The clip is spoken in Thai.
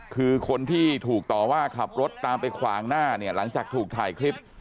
คือคนที่ถูกต่อว่าขับรถตามไปขวางหน้าเนี่ยหลังจากถูกถ่ายคลิป